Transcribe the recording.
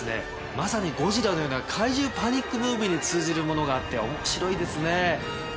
まさに『ゴジラ』のような怪獣パニックムービーに通じるものがあって面白いですね。